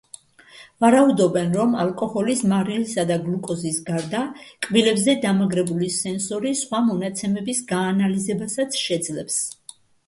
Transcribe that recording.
ვარაუდობენ, რომ ალკოჰოლის, მარილისა და გლუკოზის გარდა, კბილზე დამაგრებული სენსორი სხვა მონაცემების გაანალიზებასაც შეძლებს.